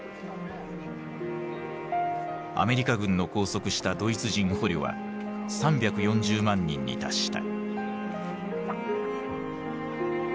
アメリカ軍の拘束したドイツ人捕虜は３４０万人に達した。